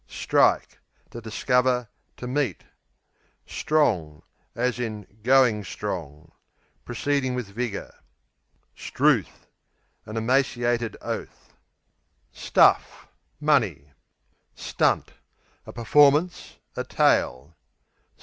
Strike To discover; to meet. Strong, going Proceeding with vigour. 'Struth An emaciated oath. Stuff Money. Stunt A performance; a tale.